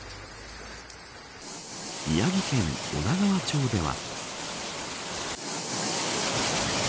宮城県女川町では。